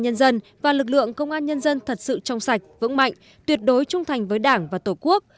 nhân dân và lực lượng công an nhân dân thật sự trong sạch vững mạnh tuyệt đối trung thành với đảng và tổ quốc